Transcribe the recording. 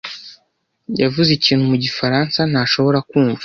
yavuze ikintu mu gifaransa ntashobora kumva.